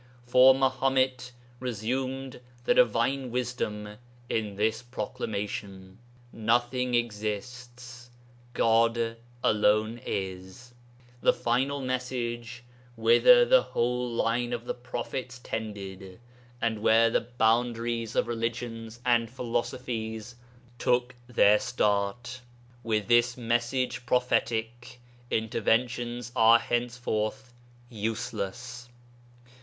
For Mahomet resumed the divine Wisdom in this proclamation, "Nothing exists, God alone is," the final message whither the whole line of the prophets tended, and where the boundaries of religions and philosophies took their start. With this message prophetic interventions are henceforth useless.